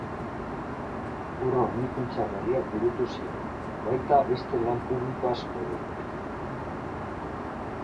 Ur-hornikuntza berriak burutu ziren, baita beste lan publiko asko ere.